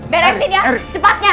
beresin ya sepatnya